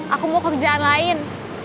aku mau kerjaan lain